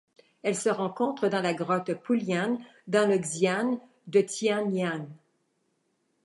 Elle se rencontre dans la grotte Pulian dans le xian de Tianyang.